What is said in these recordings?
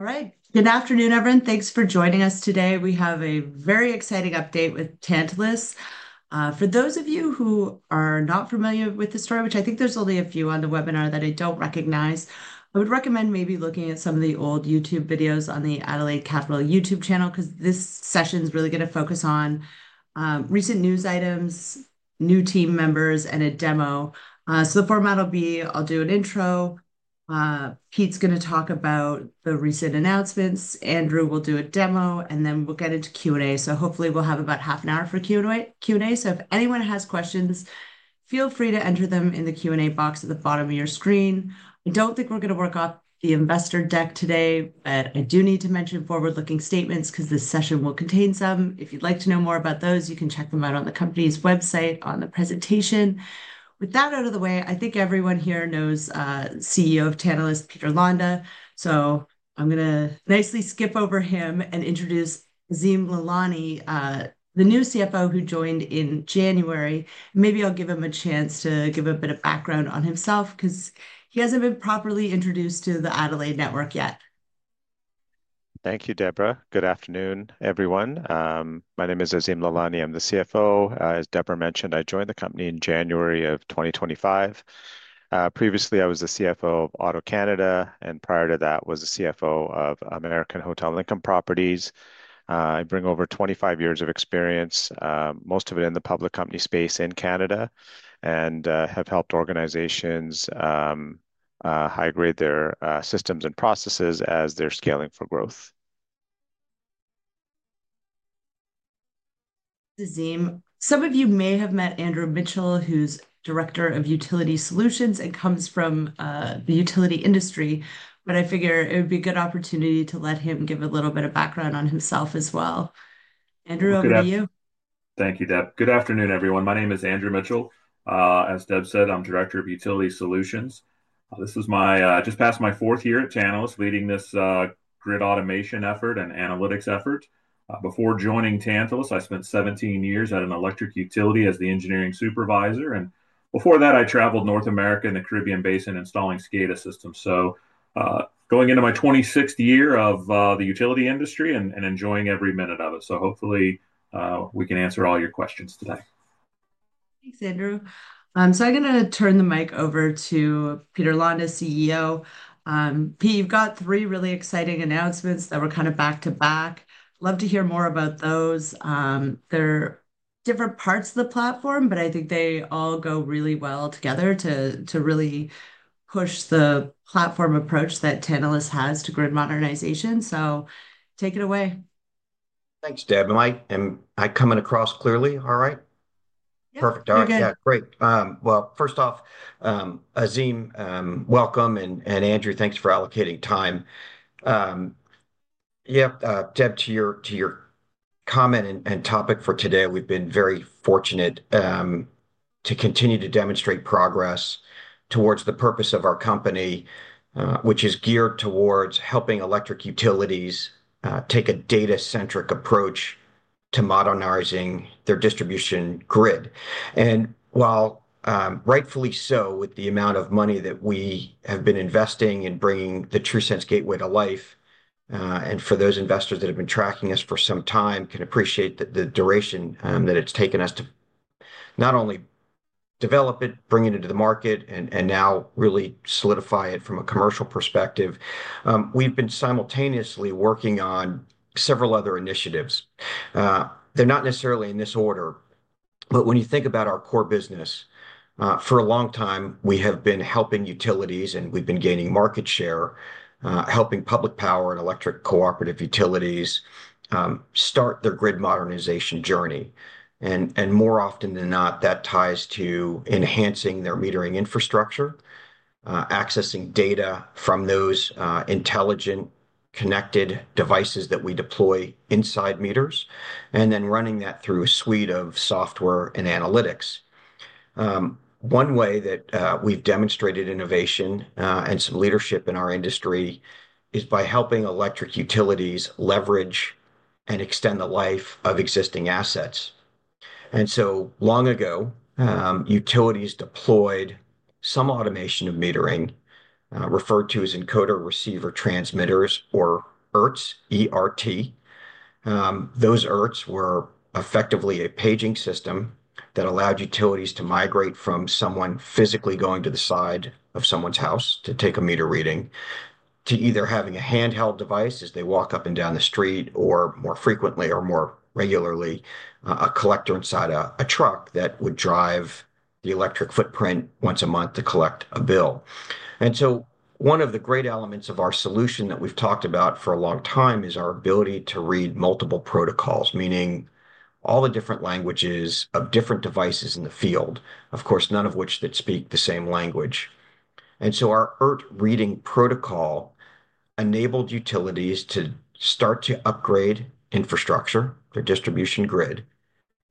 All right, good afternoon, everyone. Thanks for joining us today. We have a very exciting update with Tantalus. For those of you who are not familiar with the story, which I think there's only a few on the webinar that I don't recognize, I would recommend maybe looking at some of the old YouTube videos on the Adelaide Capital YouTube channel, because this session is really going to focus on recent news items, new team members, and a demo. The format will be, I'll do an intro, Pete's going to talk about the recent announcements, Andrew will do a demo, and then we'll get into Q&A. Hopefully we'll have about half an hour for Q&A. If anyone has questions, feel free to enter them in the Q&A box at the bottom of your screen. I don't think we're going to work off the investor deck today, but I do need to mention forward-looking statements because this session will contain some. If you'd like to know more about those, you can check them out on the company's website on the presentation. With that out of the way, I think everyone here knows CEO of Tantalus, Peter Londa. I'm going to nicely skip over him and introduce Azim Lalani, the new CFO who joined in January. Maybe I'll give him a chance to give a bit of background on himself because he hasn't been properly introduced to the Adelaide network yet. Thank you, Deborah. Good afternoon, everyone. My name is Azim Lalani. I'm the CFO. As Deborah mentioned, I joined the company in January of 2025. Previously, I was the CFO of AutoCanada, and prior to that, I was the CFO of American Hotel Income Properties. I bring over 25 years of experience, most of it in the public company space in Canada, and have helped organizations migrate their systems and processes as they're scaling for growth. Azim, some of you may have met Andrew Mitchell, who's Director of Utility Solutions and comes from the utility industry. I figure it would be a good opportunity to let him give a little bit of background on himself as well. Andrew, over to you. Thank you, Deb. Good afternoon, everyone. My name is Andrew Mitchell. As Deb said, I'm Director of Utility Solutions. This is just past my fourth year at Tantalus, leading this grid automation effort and analytics effort. Before joining Tantalus, I spent 17 years at an electric utility as the Engineering Supervisor, and before that, I traveled North America and the Caribbean basin installing SCADA systems. I'm going into my 26th year of the utility industry and enjoying every minute of it. Hopefully we can answer all your questions today. Thanks, Andrew. I'm going to turn the mic over to Peter Londa, CEO. Pete, you've got three really exciting announcements that were kind of back to back. Love to hear more about those. They're different parts of the platform, but I think they all go really well together to really push the platform approach that Tantalus has to grid modernization. Take it away. Thanks, Deb and Mike. Am I coming across clearly? All right. Yep. Perfect. All right. Great. First off, Azim, welcome, and Andrew, thanks for allocating time. Deb, to your comment and topic for today, we've been very fortunate to continue to demonstrate progress towards the purpose of our company, which is geared towards helping electric utilities take a data-centric approach to modernizing their distribution grid. While rightfully so, with the amount of money that we have been investing in bringing the TruSense Gateway to life, and for those investors that have been tracking us for some time, can appreciate the duration that it's taken us to not only develop it, bring it into the market, and now really solidify it from a commercial perspective, we've been simultaneously working on several other initiatives. They're not necessarily in this order, but when you think about our core business, for a long time, we have been helping utilities, and we've been gaining market share, helping public power and electric cooperative utilities start their grid modernization journey. More often than not, that ties to enhancing their metering infrastructure, accessing data from those intelligent connected devices that we deploy inside meters, and then running that through a suite of software and analytics. One way that we've demonstrated innovation and some leadership in our industry is by helping electric utilities leverage and extend the life of existing assets. Long ago, utilities deployed some automation of metering, referred to as encoder-receiver transmitters or ERTs. Those ERTs were effectively a paging system that allowed utilities to migrate from someone physically going to the side of someone's house to take a meter reading, to either having a handheld device as they walk up and down the street, or more frequently or more regularly, a collector inside a truck that would drive the electric footprint once a month to collect a bill. One of the great elements of our solution that we've talked about for a long time is our ability to read multiple protocols, meaning all the different languages of different devices in the field, none of which speak the same language. Our ERT reading protocol enabled utilities to start to upgrade infrastructure, the distribution grid,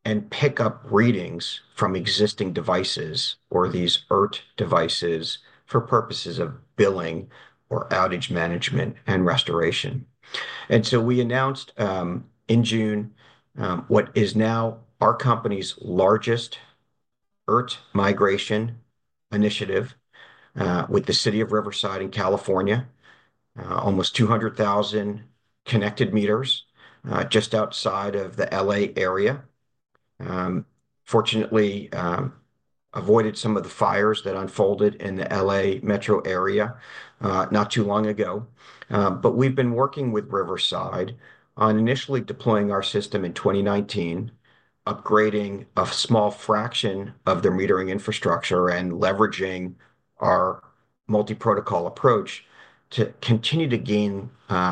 and pick up readings from existing devices or these ERT devices for purposes of billing or outage management and restoration. We announced in June what is now our company's largest ERT migration initiative with the City of Riverside in California, almost 200,000 connected meters just outside of the LA area. Fortunately, we avoided some of the fires that unfolded in the LA metro area not too long ago. We have been working with Riverside on initially deploying our system in 2019, upgrading a small fraction of their metering infrastructure and leveraging our multi-protocol approach to continue to gain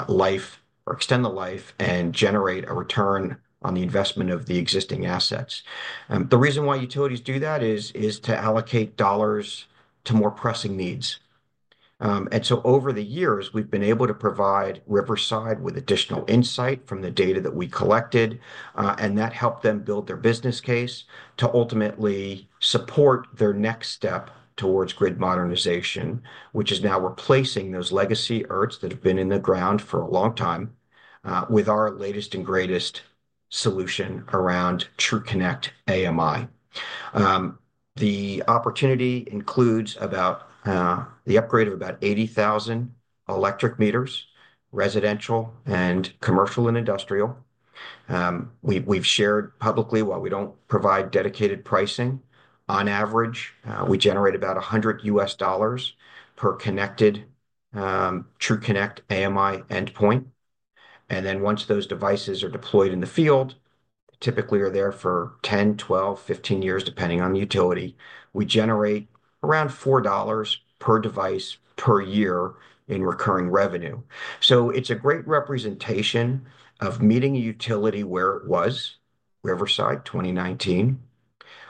life or extend the life and generate a return on the investment of the existing assets. The reason why utilities do that is to allocate dollars to more pressing needs. Over the years, we have been able to provide Riverside with additional insight from the data that we collected, and that helped them build their business case to ultimately support their next step towards grid modernization, which is now replacing those legacy ERTs that have been in the ground for a long time with our latest and greatest solution around TruConnect AMI. The opportunity includes the upgrade of about 80,000 electric meters, residential, commercial, and industrial. We have shared publicly, while we do not provide dedicated pricing, on average, we generate about $100 per connected TruConnect AMI endpoint. Once those devices are deployed in the field, typically are there for 10, 12, 15 years, depending on the utility, we generate around $4 per device per year in recurring revenue. It is a great representation of meeting a utility where it was, Riverside 2019,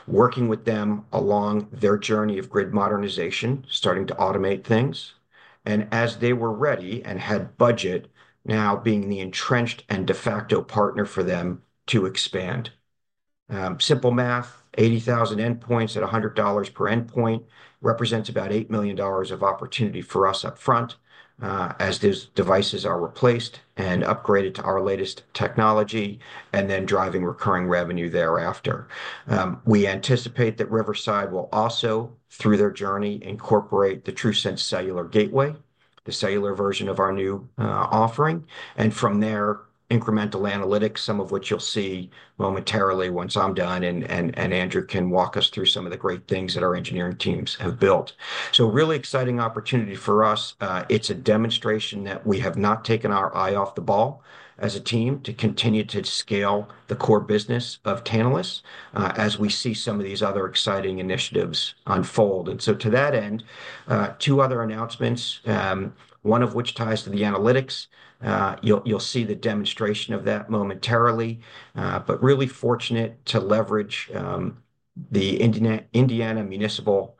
working with them along their journey of grid modernization, starting to automate things, and as they were ready and had budget, now being the entrenched and de facto partner for them to expand. Simple math, 80,000 endpoints at $100 per endpoint represents about $8 million of opportunity for us up front as those devices are replaced and upgraded to our latest technology, and then driving recurring revenue thereafter. We anticipate that Riverside will also, through their journey, incorporate the TruSense Cellular Gateway, the cellular version of our new offering, and from there, incremental analytics, some of which you will see momentarily once I am done and Andrew can walk us through some of the great things that our engineering teams have built. It is a really exciting opportunity for us. It's a demonstration that we have not taken our eye off the ball as a team to continue to scale the core business of Tantalus as we see some of these other exciting initiatives unfold. To that end, two other announcements, one of which ties to the analytics. You'll see the demonstration of that momentarily, but really fortunate to leverage the Indiana Municipal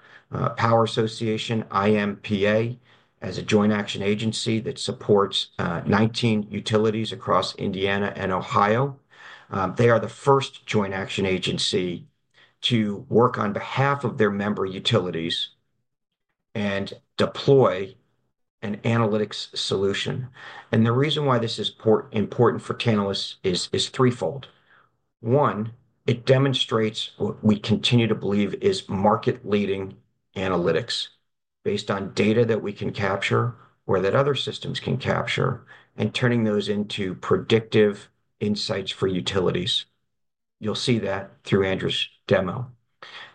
Power Agency, IMPA, as a joint action agency that supports 19 utilities across Indiana and Ohio. They are the first joint action agency to work on behalf of their member utilities and deploy an analytics solution. The reason why this is important for Tantalus is threefold. One, it demonstrates what we continue to believe is market-leading analytics based on data that we can capture or that other systems can capture and turning those into predictive insights for utilities. You'll see that through Andrew's demo.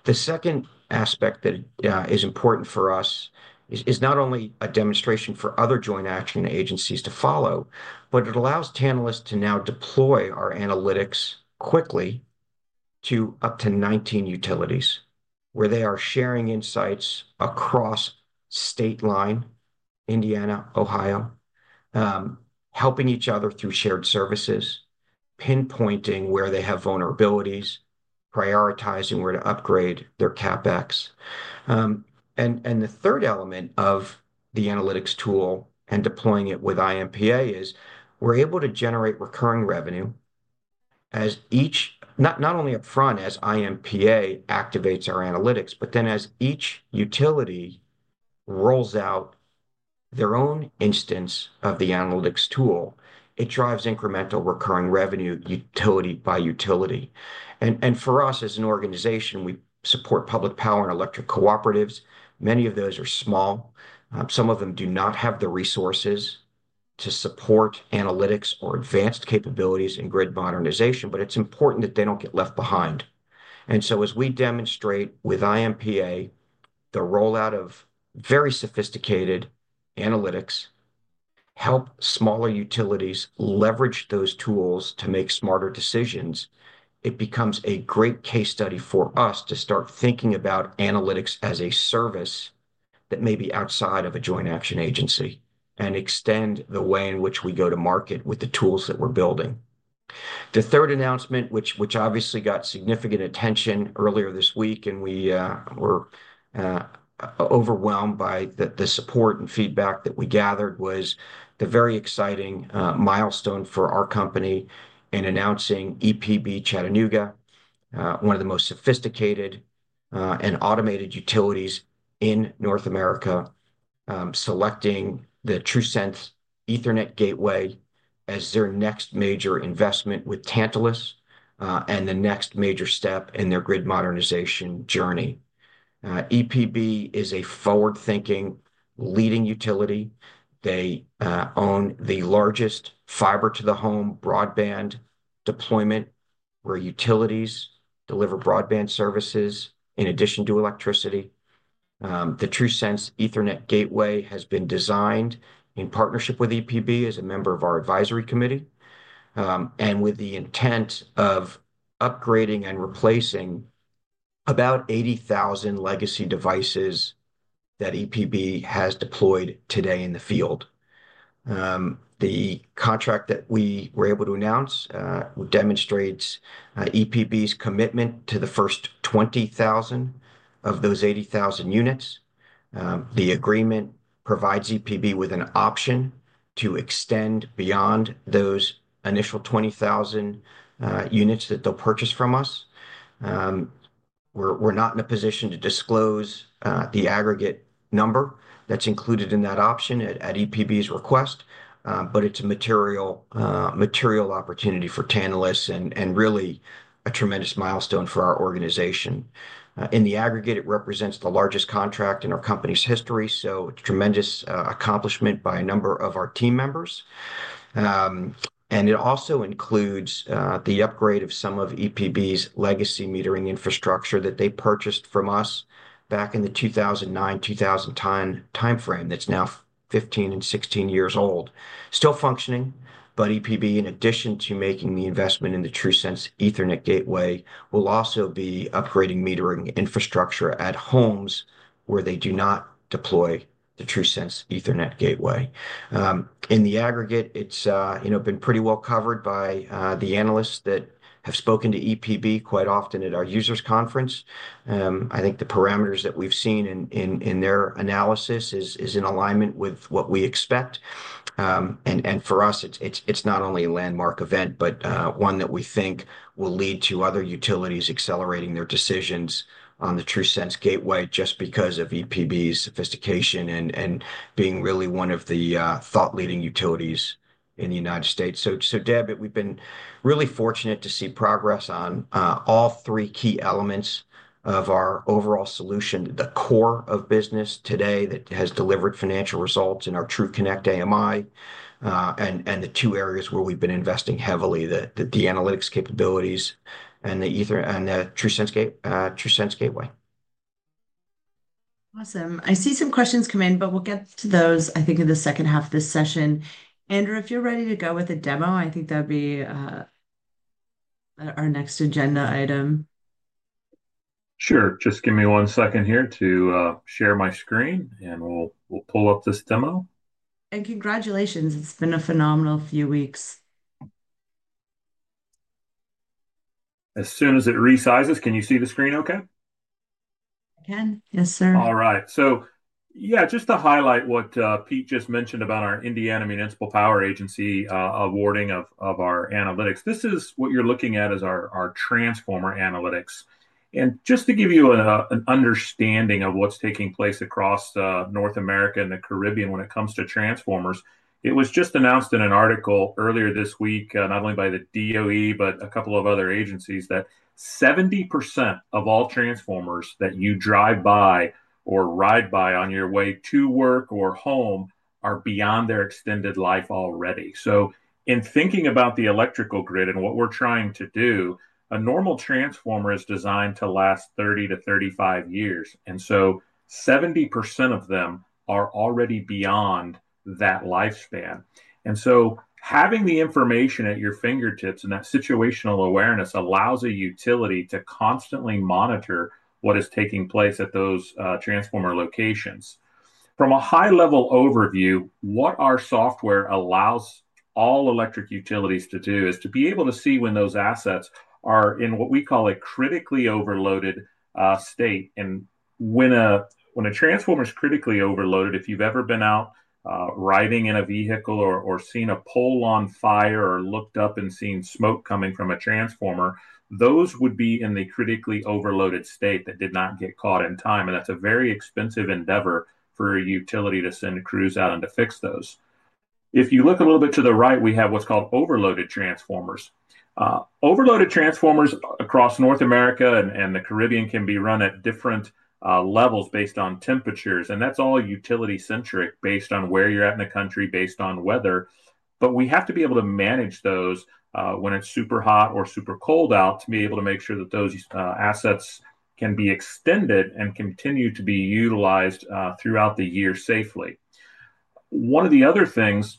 The second aspect that is important for us is not only a demonstration for other joint action agencies to follow, it allows Tantalus to now deploy our analytics quickly to up to 19 utilities where they are sharing insights across state line, Indiana, Ohio, helping each other through shared services, pinpointing where they have vulnerabilities, prioritizing where to upgrade their CapEx. The third element of the analytics tool and deploying it with IMPA is we're able to generate recurring revenue as each, not only upfront as IMPA activates our analytics, but then as each utility rolls out their own instance of the analytics tool, it drives incremental recurring revenue utility by utility. For us as an organization, we support public power and electric cooperatives. Many of those are small. Some of them do not have the resources to support analytics or advanced capabilities in grid modernization, but it's important that they don't get left behind. As we demonstrate with IMPA, the rollout of very sophisticated analytics helps smaller utilities leverage those tools to make smarter decisions. It becomes a great case study for us to start thinking about analytics-as-a-service that may be outside of a joint action agency and extend the way in which we go to market with the tools that we're building. The third announcement, which obviously got significant attention earlier this week, and we were overwhelmed by the support and feedback that we gathered, was the very exciting milestone for our company in announcing EPB Chattanooga, one of the most sophisticated and automated utilities in North America, selecting the TruSense Ethernet Gateway as their next major investment with Tantalus and the next major step in their grid modernization journey. EPB is a forward-thinking, leading utility. They own the largest fiber-to-the-home broadband deployment where utilities deliver broadband services in addition to electricity. The TruSense Ethernet Gateway has been designed in partnership with EPB as a member of our advisory committee and with the intent of upgrading and replacing about 80,000 legacy devices that EPB has deployed today in the field. The contract that we were able to announce demonstrates EPB's commitment to the first 20,000 of those 80,000 units. The agreement provides EPB with an option to extend beyond those initial 20,000 units that they'll purchase from us. We're not in a position to disclose the aggregate number that's included in that option at EPB's request, but it's a material opportunity for Tantalus and really a tremendous milestone for our organization. In the aggregate, it represents the largest contract in our company's history, so it's a tremendous accomplishment by a number of our team members. It also includes the upgrade of some of EPB's legacy metering infrastructure that they purchased from us back in the 2009-2010 timeframe that's now 15 and 16 years old. Still functioning, but EPB, in addition to making the investment in the TruSense Ethernet Gateway, will also be upgrading metering infrastructure at homes where they do not deploy the TruSense Ethernet Gateway. In the aggregate, it's been pretty well covered by the analysts that have spoken to EPB quite often at our users' conference. I think the parameters that we've seen in their analysis are in alignment with what we expect. For us, it's not only a landmark event, but one that we think will lead to other utilities accelerating their decisions on the TruSense Gateway just because of EPB's sophistication and being really one of the thought-leading utilities in the United States. Deb, we've been really fortunate to see progress on all three key elements of our overall solution, the core of business today that has delivered financial results in our TruConnect AMI and the two areas where we've been investing heavily, the analytics capabilities and the TruSense Gateway. Awesome. I see some questions come in, but we'll get to those, I think, in the second half of this session. Andrew, if you're ready to go with a demo, I think that'd be our next agenda item. Sure. Just give me one second here to share my screen, and we'll pull up this demo. Congratulations. It's been a phenomenal few weeks. As soon as it resizes, can you see the screen okay? Yes, sir. All right. Just to highlight what Pete just mentioned about our Indiana Municipal Power Agency awarding of our analytics, this is what you're looking at as our transformer analytics. Just to give you an understanding of what's taking place across North America and the Caribbean when it comes to transformers, it was just announced in an article earlier this week, not only by the DOE, but a couple of other agencies that 70% of all transformers that you drive by or ride by on your way to work or home are beyond their extended life already. In thinking about the electrical grid and what we're trying to do, a normal transformer is designed to last 30-35 years. 70% of them are already beyond that lifespan. Having the information at your fingertips and that situational awareness allows a utility to constantly monitor what is taking place at those transformer locations. From a high-level overview, what our software allows all electric utilities to do is to be able to see when those assets are in what we call a critically overloaded state. When a transformer is critically overloaded, if you've ever been out riding in a vehicle or seen a pole on fire or looked up and seen smoke coming from a transformer, those would be in the critically overloaded state that did not get caught in time. That's a very expensive endeavor for a utility to send crews out and to fix those. If you look a little bit to the right, we have what's called overloaded transformers. Overloaded transformers across North America and the Caribbean can be run at different levels based on temperatures. That's all utility-centric based on where you're at in the country, based on weather. We have to be able to manage those when it's super hot or super cold out to be able to make sure that those assets can be extended and continue to be utilized throughout the year safely. One of the other things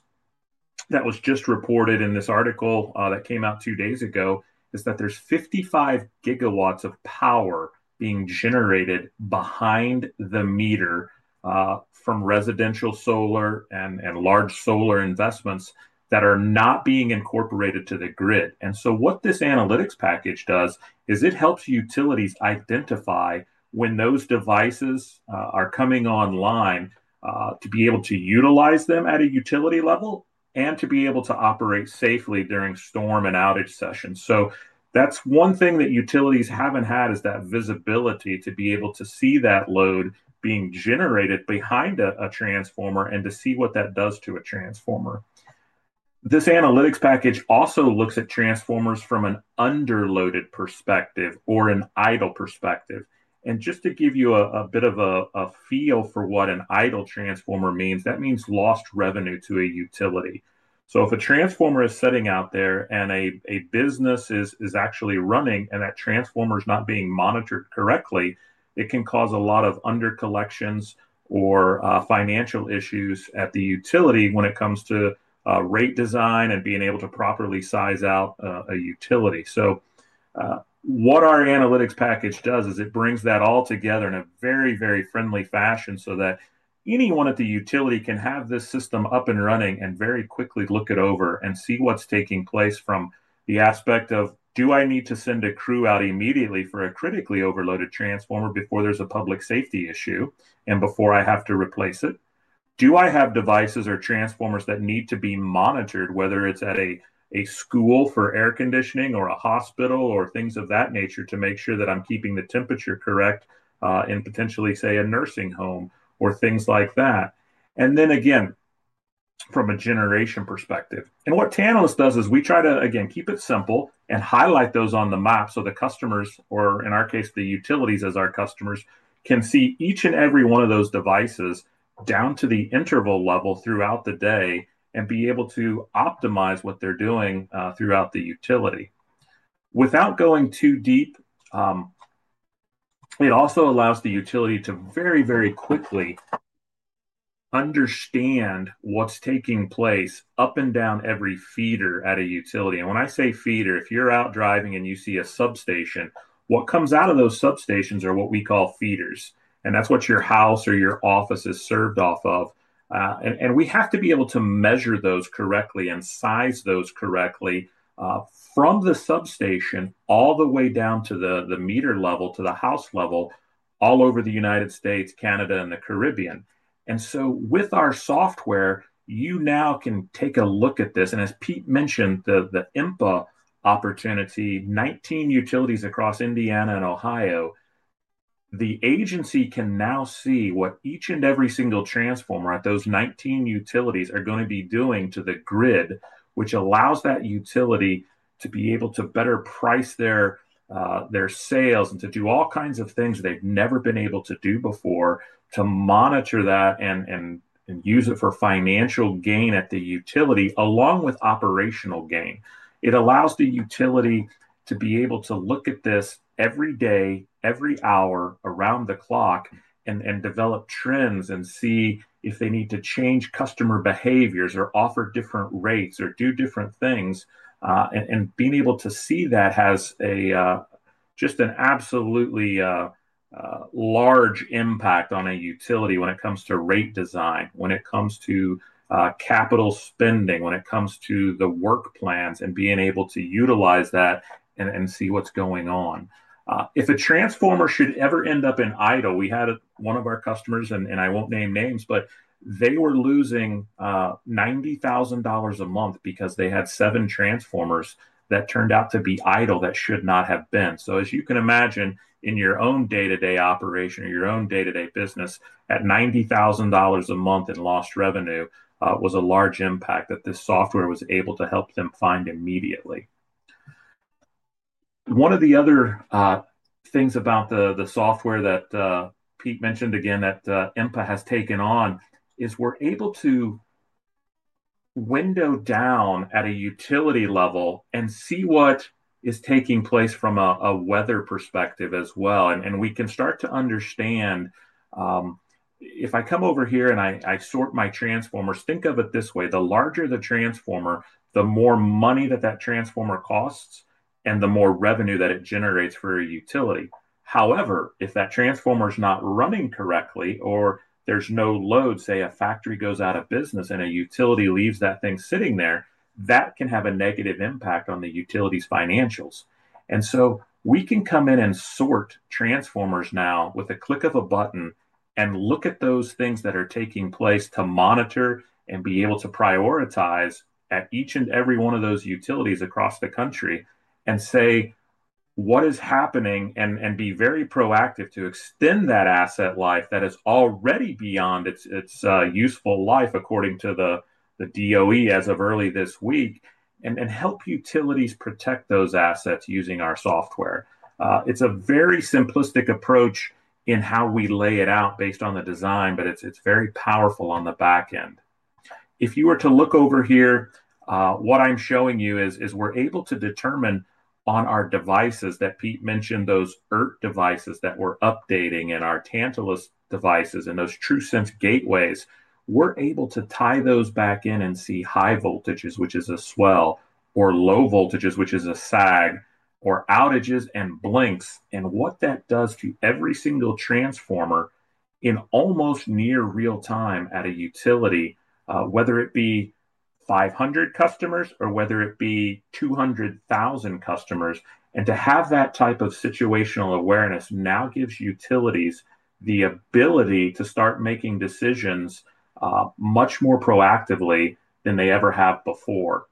that was just reported in this article that came out two days ago is that there's 55 GW of power being generated behind the meter from residential solar and large solar investments that are not being incorporated to the grid. What this analytics package does is it helps utilities identify when those devices are coming online to be able to utilize them at a utility level and to be able to operate safely during storm and outage sessions. That's one thing that utilities haven't had, is that visibility to be able to see that load being generated behind a transformer and to see what that does to a transformer. This analytics package also looks at transformers from an underloaded perspective or an idle perspective. Just to give you a bit of a feel for what an idle transformer means, that means lost revenue to a utility. If a transformer is sitting out there and a business is actually running and that transformer is not being monitored correctly, it can cause a lot of under-collections or financial issues at the utility when it comes to rate design and being able to properly size out a utility. What our analytics package does is it brings that all together in a very, very friendly fashion so that anyone at the utility can have this system up and running and very quickly look it over and see what's taking place from the aspect of, do I need to send a crew out immediately for a critically overloaded transformer before there's a public safety issue and before I have to replace it? Do I have devices or transformers that need to be monitored, whether it's at a school for air conditioning or a hospital or things of that nature, to make sure that I'm keeping the temperature correct in potentially, say, a nursing home or things like that? From a generation perspective, what Tantalus does is we try to, again, keep it simple and highlight those on the map so the customers, or in our case, the utilities as our customers, can see each and every one of those devices down to the interval level throughout the day and be able to optimize what they're doing throughout the utility. Without going too deep, it also allows the utility to very, very quickly understand what's taking place up and down every feeder at a utility. When I say feeder, if you're out driving and you see a substation, what comes out of those substations are what we call feeders. That's what your house or your office is served off of. We have to be able to measure those correctly and size those correctly from the substation all the way down to the meter level, to the house level, all over the United States, Canada, and the Caribbean. With our software, you now can take a look at this. As Pete mentioned, the IMPA opportunity, 19 utilities across Indiana and Ohio, the agency can now see what each and every single transformer at those 19 utilities are going to be doing to the grid, which allows that utility to be able to better price their sales and to do all kinds of things they've never been able to do before, to monitor that and use it for financial gain at the utility, along with operational gain. It allows the utility to be able to look at this every day, every hour, around the clock, and develop trends and see if they need to change customer behaviors or offer different rates or do different things. Being able to see that has just an absolutely large impact on a utility when it comes to rate design, when it comes to capital spending, when it comes to the work plans, and being able to utilize that and see what's going on. If a transformer should ever end up in idle, we had one of our customers, and I won't name names, but they were losing $90,000 a month because they had seven transformers that turned out to be idle that should not have been. As you can imagine, in your own day-to-day operation or your own day-to-day business, $90,000 a month in lost revenue was a large impact that this software was able to help them find immediately. One of the other things about the software that Pete mentioned, again, that IMPA has taken on is we're able to window down at a utility level and see what is taking place from a weather perspective as well. We can start to understand if I come over here and I sort my transformers, think of it this way. The larger the transformer, the more money that that transformer costs and the more revenue that it generates for a utility. However, if that transformer is not running correctly or there's no load, say a factory goes out of business and a utility leaves that thing sitting there, that can have a negative impact on the utility's financials. We can come in and sort transformers now with a click of a button and look at those things that are taking place to monitor and be able to prioritize at each and every one of those utilities across the country and say what is happening and be very proactive to extend that asset life that is already beyond its useful life, according to the DOE as of early this week, and help utilities protect those assets using our software. It's a very simplistic approach in how we lay it out based on the design, but it's very powerful on the back end. If you were to look over here, what I'm showing you is we're able to determine on our devices that Pete mentioned, those ERT devices that we're updating and our Tantalus devices and those TruSense Gateways, we're able to tie those back in and see high voltages, which is a swell, or low voltages, which is a sag, or outages and blinks, and what that does to every single transformer in almost near real time at a utility, whether it be 500 customers or whether it be 200,000 customers. To have that type of situational awareness now gives utilities the ability to start making decisions much more proactively than they ever have before.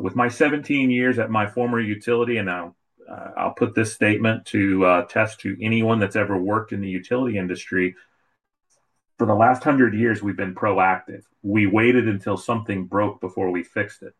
With my 17 years at my former utility, and I'll put this statement to test to anyone that's ever worked in the utility industry, for the last 100 years, we've been proactive. We waited until something broke before we fixed it.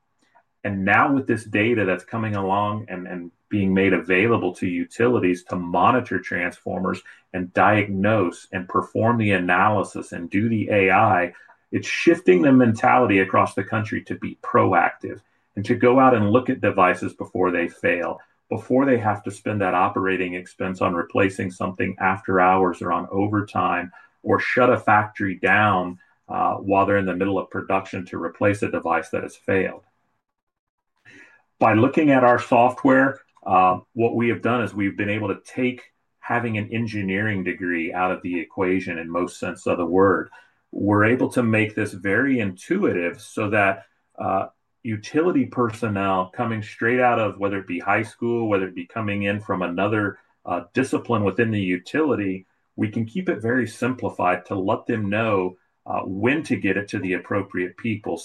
Now with this data that's coming along and being made available to utilities to monitor transformers and diagnose and perform the analysis and do the AI, it's shifting the mentality across the country to be proactive and to go out and look at devices before they fail, before they have to spend that operating expense on replacing something after hours or on overtime or shut a factory down while they're in the middle of production to replace a device that has failed. By looking at our software, what we have done is we've been able to take having an engineering degree out of the equation in most sense of the word. We're able to make this very intuitive so that utility personnel coming straight out of whether it be high school, whether it be coming in from another discipline within the utility, we can keep it very simplified to let them know when to get it to the appropriate people.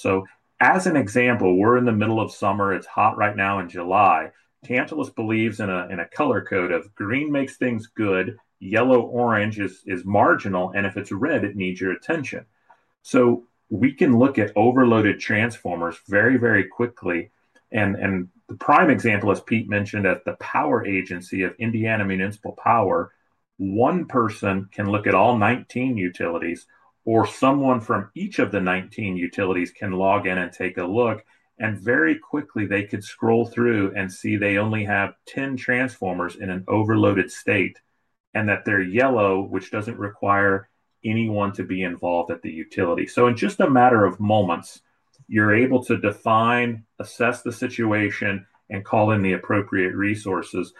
As an example, we're in the middle of summer. It's hot right now in July. Tantalus believes in a color code of green makes things good, yellow orange is marginal, and if it's red, it needs your attention. We can look at overloaded transformers very, very quickly. The prime example, as Pete mentioned, at the power agency of Indiana Municipal Power one person can look at all 19 utilities or someone from each of the 19 utilities can log in and take a look. Very quickly, they could scroll through and see they only have 10 transformers in an overloaded state and that they're yellow, which doesn't require anyone to be involved at the utility. In just a matter of moments, you're able to define, assess the situation, and call in the appropriate resources.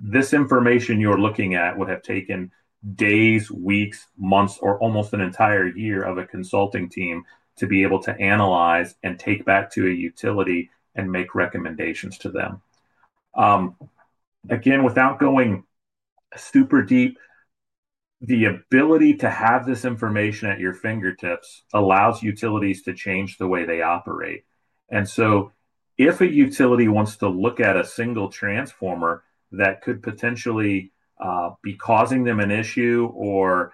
This information you're looking at would have taken days, weeks, months, or almost an entire year of a consulting team to be able to analyze and take back to a utility and make recommendations to them. Without going super deep, the ability to have this information at your fingertips allows utilities to change the way they operate. If a utility wants to look at a single transformer that could potentially be causing them an issue or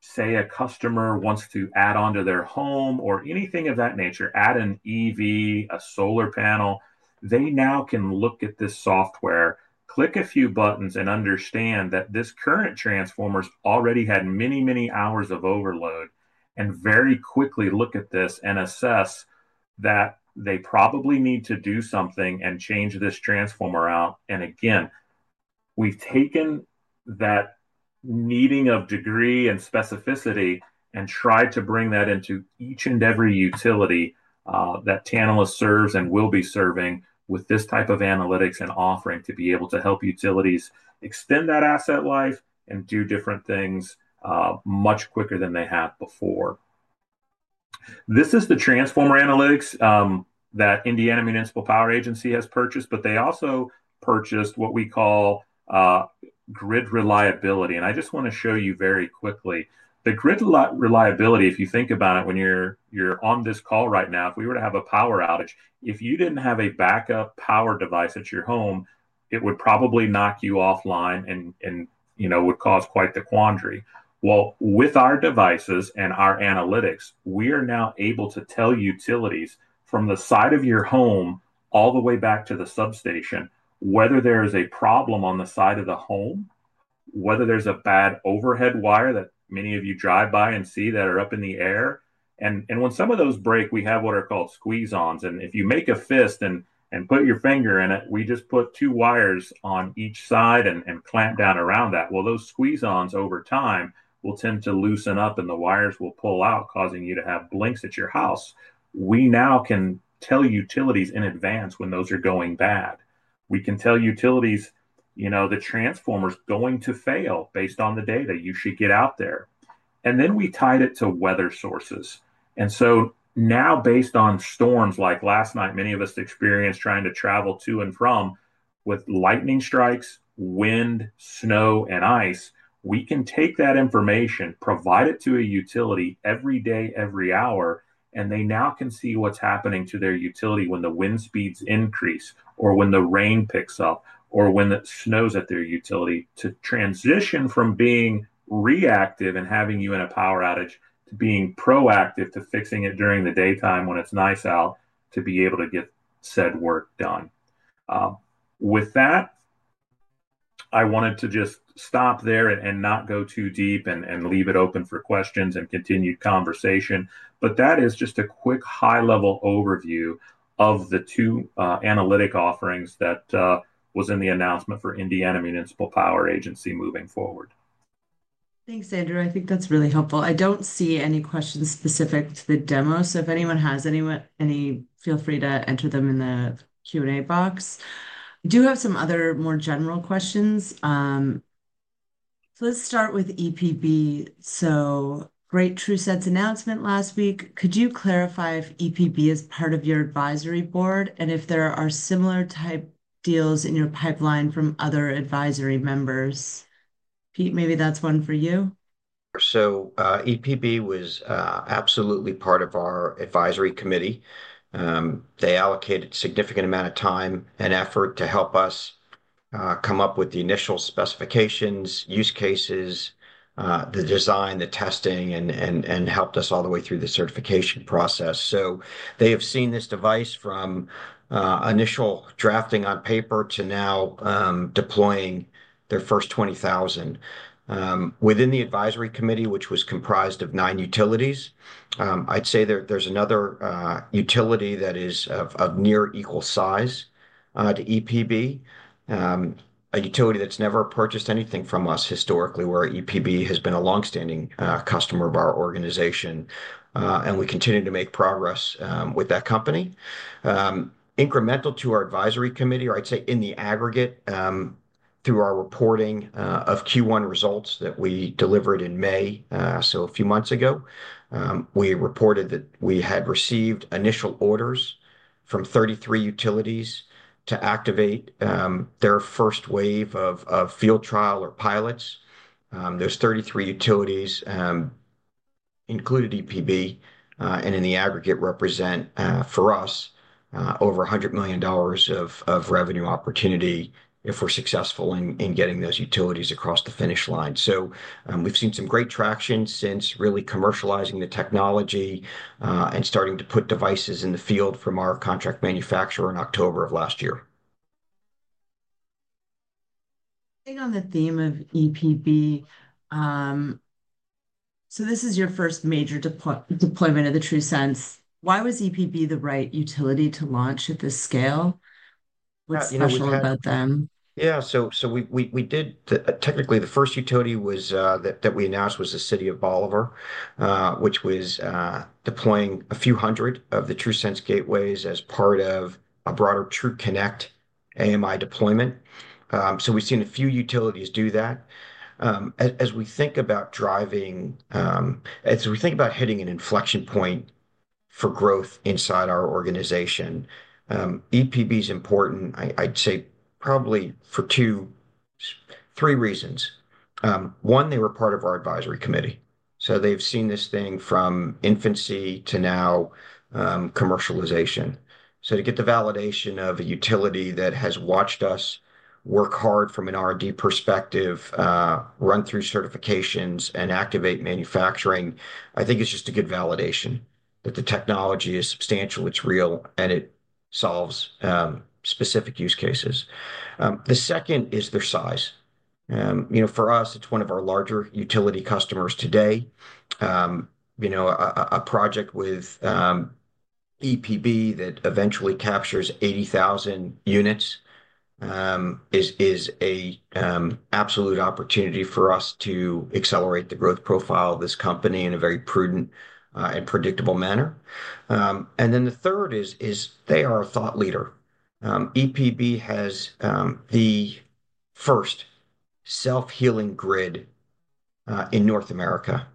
say a customer wants to add on to their home or anything of that nature, add an EV, a solar panel, they now can look at this software, click a few buttons, and understand that this current transformer already had many, many hours of overload and very quickly look at this and assess that they probably need to do something and change this transformer out. We've taken that meeting of degree and specificity and tried to bring that into each and every utility that Tantalus serves and will be serving with this type of analytics and offering to be able to help utilities extend that asset life and do different things much quicker than they have before. This is the transformer analytics that Indiana Municipal Power Agency has purchased, but they also purchased what we call grid reliability. I just want to show you very quickly. The grid reliability, if you think about it, when you're on this call right now, if we were to have a power outage, if you didn't have a backup power device at your home, it would probably knock you offline and would cause quite the quandary. With our devices and our analytics, we are now able to tell utilities from the side of your home all the way back to the substation whether there is a problem on the side of the home, whether there's a bad overhead wire that many of you drive by and see that are up in the air. When some of those break, we have what are called squeeze-ons. If you make a fist and put your finger in it, we just put two wires on each side and clamp down around that. Those squeeze-ons over time will tend to loosen up and the wires will pull out, causing you to have blinks at your house. We now can tell utilities in advance when those are going bad. We can tell utilities the transformer is going to fail based on the data. You should get out there. We tied it to weather sources. Now, based on storms like last night, many of us experienced trying to travel to and from with lightning strikes, wind, snow, and ice, we can take that information, provide it to a utility every day, every hour, and they now can see what's happening to their utility when the wind speeds increase or when the rain picks up or when it snows at their utility to transition from being reactive and having you in a power outage to being proactive to fixing it during the daytime when it's nice out to be able to get said work done. With that, I wanted to just stop there and not go too deep and leave it open for questions and continued conversation. That is just a quick high-level overview of the two analytics offerings that was in the announcement for Indiana Municipal Power Agency moving forward. Thanks, Andrew. I think that's really helpful. I don't see any questions specific to the demo. If anyone has any, feel free to enter them in the Q&A box. I do have some other more general questions. Let's start with EPB. Great TruSense announcement last week. Could you clarify if EPB is part of your advisory board and if there are similar type deals in your pipeline from other advisory members? Pete, maybe that's one for you. EPB was absolutely part of our advisory committee. They allocated a significant amount of time and effort to help us come up with the initial specifications, use cases, the design, the testing, and helped us all the way through the certification process. They have seen this device from initial drafting on paper to now deploying their first 20,000. Within the advisory committee, which was comprised of nine utilities, I'd say there's another utility that is of near equal size to EPB, a utility that's never purchased anything from us historically, where EPB has been a longstanding customer of our organization. We continue to make progress with that company. Incremental to our advisory committee, or I'd say in the aggregate through our reporting of Q1 results that we delivered in May, a few months ago, we reported that we had received initial orders from 33 utilities to activate their first wave of field trial or pilots. Those 33 utilities, including EPB and in the aggregate, represent for us over $100 million of revenue opportunity if we're successful in getting those utilities across the finish line. We've seen some great traction since really commercializing the technology and starting to put devices in the field from our contract manufacturer in October of last year. Staying on the theme of EPB, this is your first major deployment of the TruSense. Why was EPB the right utility to launch at this scale? What's special about them? Yeah, the first utility that we announced was the City of Bolivar, which was deploying a few hundred of the TruSense Gateways as part of a broader TruConnect AMI deployment. We have seen a few utilities do that. As we think about driving, as we think about hitting an inflection point for growth inside our organization, EPB is important, I'd say probably for two, three reasons. One, they were part of our advisory committee. They have seen this thing from infancy to now commercialization. To get the validation of a utility that has watched us work hard from an R&D perspective, run through certifications, and activate manufacturing, I think it's just a good validation that the technology is substantial, it's real, and it solves specific use cases. The second is their size. For us, it's one of our larger utility customers today. A project with EPB that eventually captures 80,000 units is an absolute opportunity for us to accelerate the growth profile of this company in a very prudent and predictable manner. The third is they are a thought leader. EPB has the first self-healing grid in North America.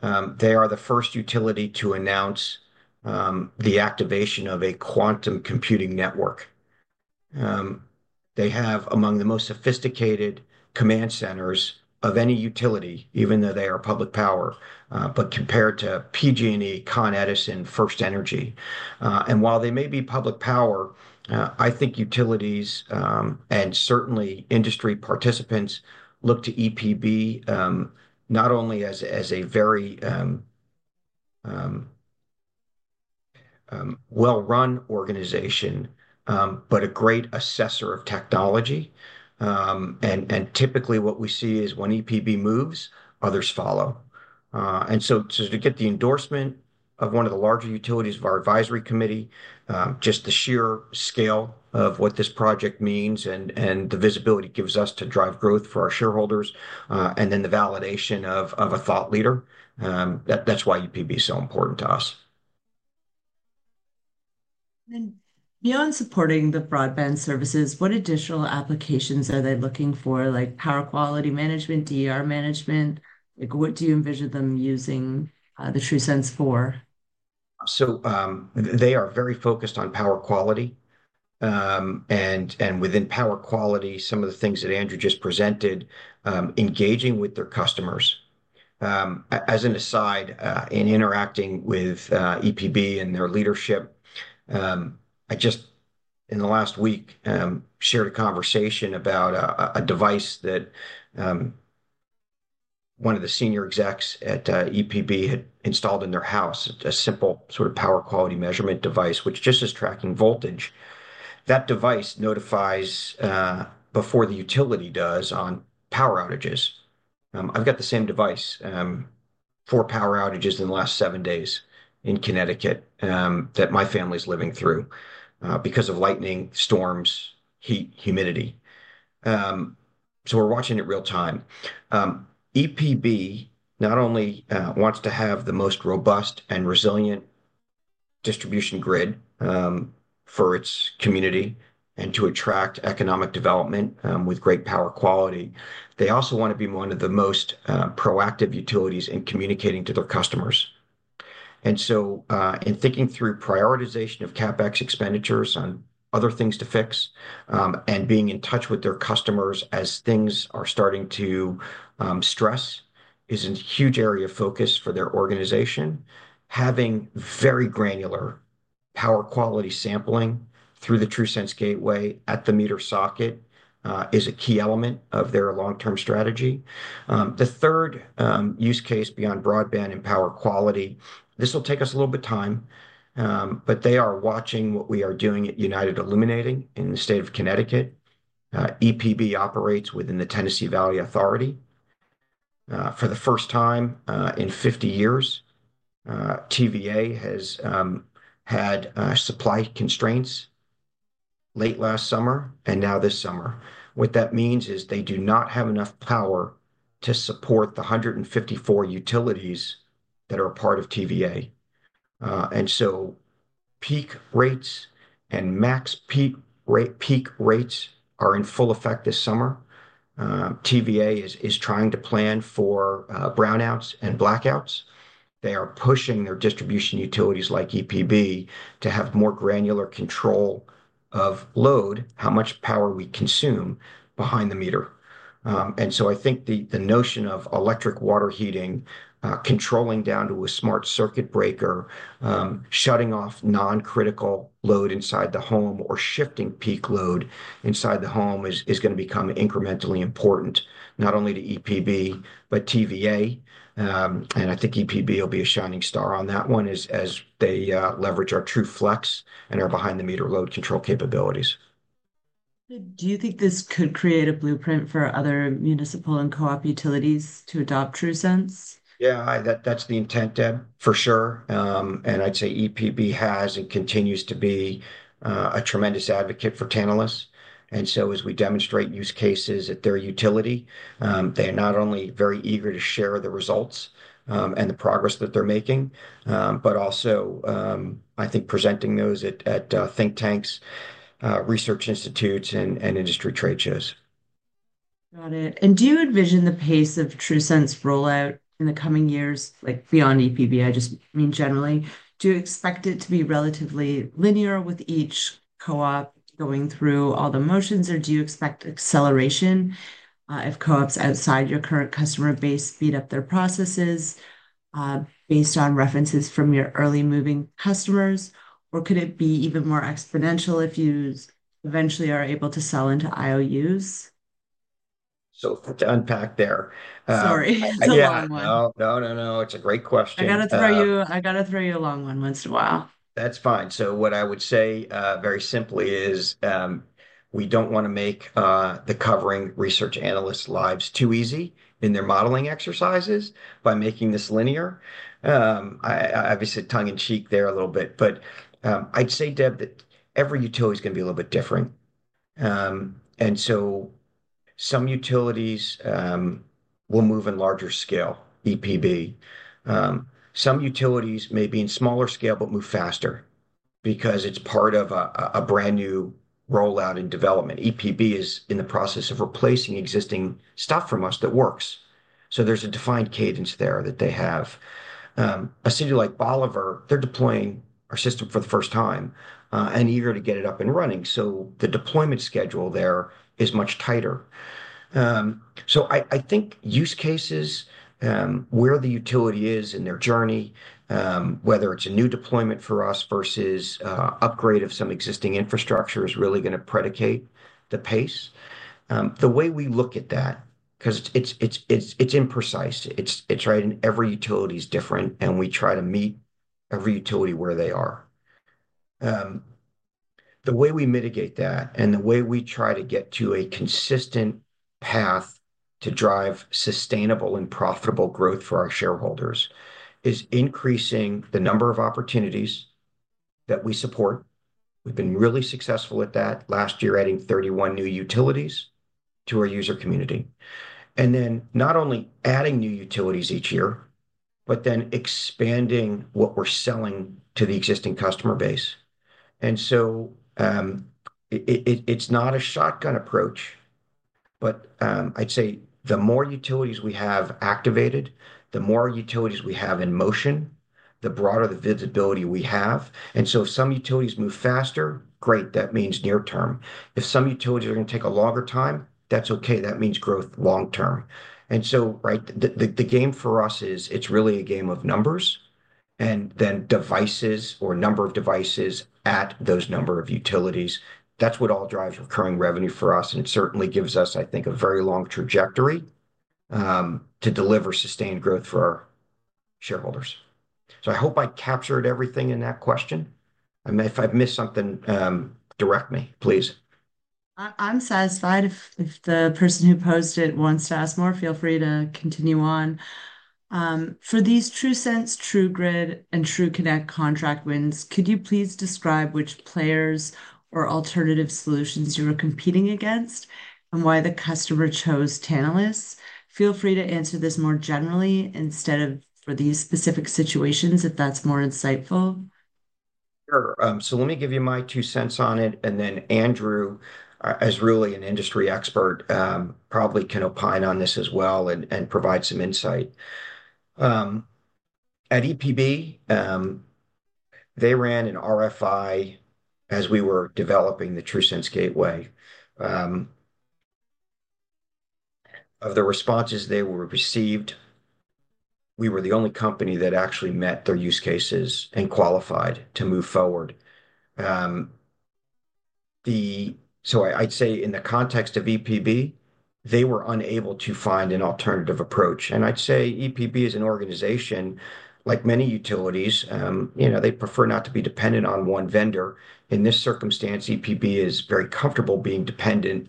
They are the first utility to announce the activation of a quantum computing network. They have among the most sophisticated command centers of any utility, even though they are public power, but compared to PG&E, Con Edison, FirstEnergy. While they may be public power, I think utilities and certainly industry participants look to EPB not only as a very well-run organization, but a great assessor of technology. Typically, what we see is when EPB moves, others follow. To get the endorsement of one of the larger utilities of our advisory committee, just the sheer scale of what this project means and the visibility it gives us to drive growth for our shareholders, and the validation of a thought leader, that's why EPB is so important to us. Beyond supporting the broadband services, what additional applications are they looking for, like power quality management, DER management? What do you envision them using the TruSense for? They are very focused on power quality. Within power quality, some of the things that Andrew just presented, engaging with their customers. As an aside, in interacting with EPB and their leadership, I just, in the last week, shared a conversation about a device that one of the senior execs at EPB had installed in their house, a simple sort of power quality measurement device, which just is tracking voltage. That device notifies before the utility does on power outages. I've got the same device for power outages in the last seven days in Connecticut that my family's living through because of lightning, storms, heat, humidity. We're watching it real time. EPB not only wants to have the most robust and resilient distribution grid for its community and to attract economic development with great power quality, they also want to be one of the most proactive utilities in communicating to their customers. In thinking through prioritization of CapEx expenditures on other things to fix and being in touch with their customers as things are starting to stress is a huge area of focus for their organization. Having very granular power quality sampling through the TruSense Gateway at the meter socket is a key element of their long-term strategy. The third use case beyond broadband and power quality, this will take us a little bit of time, but they are watching what we are doing at United Illuminating in the state of Connecticut. EPB operates within the Tennessee Valley Authority. For the first time in 50 years, TVA has had supply constraints late last summer and now this summer. What that means is they do not have enough power to support the 154 utilities that are a part of TVA. Peak rates and max peak rates are in full effect this summer. TVA is trying to plan for brownouts and blackouts. They are pushing their distribution utilities like EPB to have more granular control of load, how much power we consume behind the meter. I think the notion of electric water heating controlling down to a smart circuit breaker, shutting off non-critical load inside the home, or shifting peak load inside the home is going to become incrementally important, not only to EPB but TVA. I think EPB will be a shining star on that one as they leverage our Tru-Flex and our behind-the-meter load control capabilities. Do you think this could create a blueprint for other municipal and co-op utilities to adopt TruSense? Yeah, that's the intent, Deb, for sure. I'd say EPB has and continues to be a tremendous advocate for Tantalus. As we demonstrate use cases at their utility, they are not only very eager to share the results and the progress that they're making, but also I think presenting those at think tanks, research institutes, and industry trade shows. Got it. Do you envision the pace of TruSense rollout in the coming years, like beyond EPB, I just mean generally? Do you expect it to be relatively linear with each co-op going through all the motions, or do you expect acceleration if co-ops outside your current customer base speed up their processes based on references from your early moving customers? Could it be even more exponential if you eventually are able to sell into IOUs? I have to unpack there. Sorry, I got a long one. It's a great question. I got to throw you a long one once in a while. That's fine. What I would say very simply is we don't want to make the covering research analysts' lives too easy in their modeling exercises by making this linear. I obviously tongue in cheek there a little bit, but I'd say, Deb, that every utility is going to be a little bit different. Some utilities will move in larger scale, EPB. Some utilities may be in smaller scale but move faster because it's part of a brand new rollout in development. EPB is in the process of replacing existing stuff from us that works. There's a defined cadence there that they have. A city like Bolivar, they're deploying our system for the first time and eager to get it up and running. The deployment schedule there is much tighter. I think use cases, where the utility is in their journey, whether it's a new deployment for us versus an upgrade of some existing infrastructure, is really going to predicate the pace. The way we look at that, because it's imprecise, it's right, and every utility is different, and we try to meet every utility where they are. The way we mitigate that and the way we try to get to a consistent path to drive sustainable and profitable growth for our shareholders is increasing the number of opportunities that we support. We've been really successful at that last year, adding 31 new utilities to our user community. Not only adding new utilities each year, but then expanding what we're selling to the existing customer base. It's not a shotgun approach, but I'd say the more utilities we have activated, the more utilities we have in motion, the broader the visibility we have. If some utilities move faster, great, that means near term. If some utilities are going to take a longer time, that's okay. That means growth long term. The game for us is it's really a game of numbers and then devices or number of devices at those number of utilities. That's what all drives recurring revenue for us, and it certainly gives us, I think, a very long trajectory to deliver sustained growth for our shareholders. I hope I captured everything in that question. If I've missed something, direct me, please. I'm satisfied. If the person who posted wants to ask more, feel free to continue on. For these TruSense, TruGrid, and TruConnect contract wins, could you please describe which players or alternative solutions you were competing against, and why the customer chose Tantalus? Feel free to answer this more generally instead of for these specific situations if that's more insightful. Sure. Let me give you my two cents on it, and then Andrew, as really an industry expert, probably can opine on this as well and provide some insight. At EPB, they ran an RFI as we were developing the TruSense Gateway. Of the responses they received, we were the only company that actually met their use cases and qualified to move forward. I'd say in the context of EPB they were unable to find an alternative approach. EPB is an organization, like many utilities, that prefers not to be dependent on one vendor. In this circumstance, EPB is very comfortable being dependent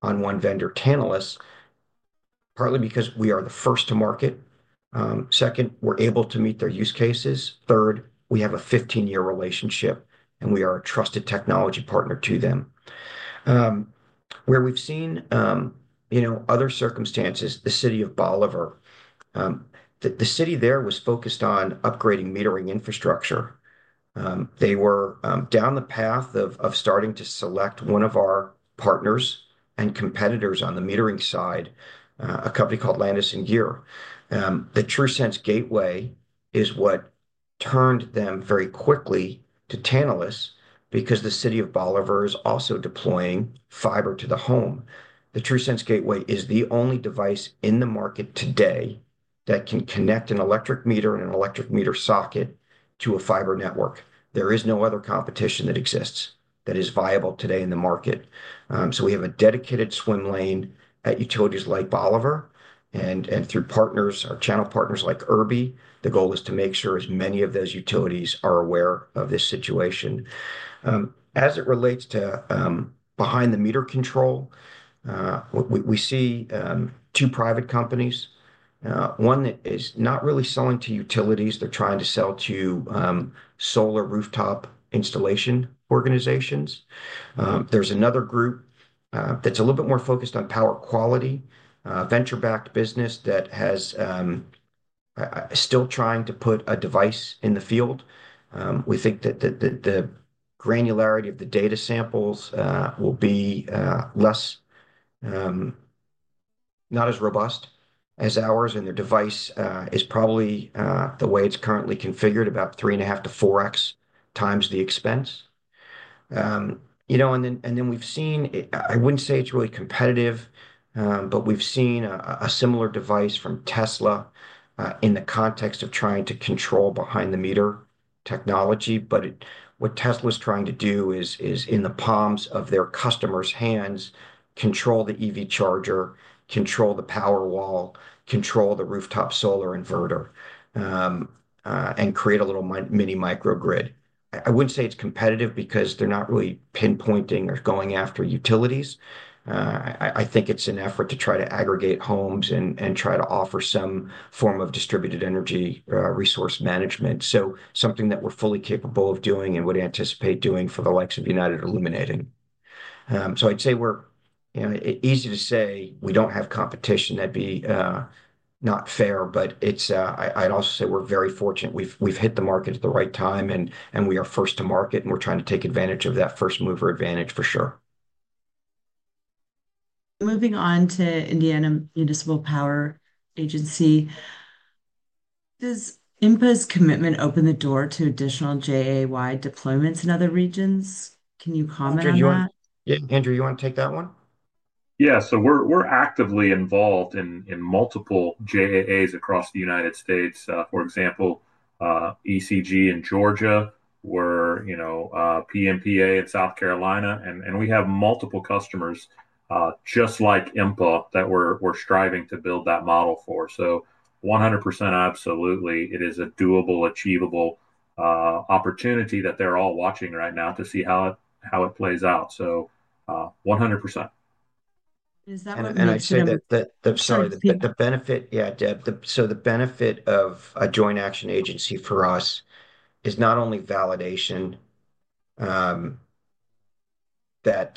on one vendor, Tantalus, partly because we are the first to market. Second, we're able to meet their use cases. Third, we have a 15-year relationship, and we are a trusted technology partner to them. Where we've seen other circumstances, the City of Bolivar, the city there was focused on upgrading metering infrastructure. They were down the path of starting to select one of our partners and competitors on the metering side, a company called Landis+Gyr. The TruSense Gateway is what turned them very quickly to Tantalus because the City of Bolivar is also deploying fiber to the home. The TruSense Gateway is the only device in the market today that can connect an electric meter and an electric meter socket to a fiber network. There is no other competition that exists that is viable today in the market. We have a dedicated swim lane at utilities like Bolivar and through partners, our channel partners like Irby. The goal is to make sure as many of those utilities are aware of this situation. As it relates to behind-the-meter control, we see two private companies. One is not really selling to utilities. They're trying to sell to solar rooftop installation organizations. There's another group that's a little bit more focused on power quality, a venture-backed business that is still trying to put a device in the field. We think that the granularity of the data samples will be less, not as robust as ours, and the device is probably, the way it's currently configured, about 3.5x to 4x times the expense. We've seen, I wouldn't say it's really competitive, but we've seen a similar device from Tesla in the context of trying to control behind-the-meter technology. What Tesla's trying to do is, in the palms of their customers' hands, control the EV charger, control the Powerwall, control the rooftop solar inverter, and create a little mini microgrid. I wouldn't say it's competitive because they're not really pinpointing or going after utilities. I think it's an effort to try to aggregate homes and try to offer some form of distributed energy resource management. That's something that we're fully capable of doing and would anticipate doing for the likes of United Illuminating. I'd say it's easy to say we don't have competition. That'd be not fair, but I'd also say we're very fortunate. We've hit the market at the right time, and we are first to market, and we're trying to take advantage of that first-mover advantage for sure. Moving on to Indiana Municipal Power Agency, does IMPA's commitment open the door to additional JAA-wide deployments in other regions? Can you comment on that? Andrew, you want to take that one? Yeah, we're actively involved in multiple joint action agencies across the United States. For example, ECG in Georgia, we're PMPA in South Carolina, and we have multiple customers just like IMPA that we're striving to build that model for. 100% absolutely, it is a doable, achievable opportunity that they're all watching right now to see how it plays out. 100%. I'd say that, sorry, the benefit, yeah, Deb, the benefit of a joint action agency for us is not only validation that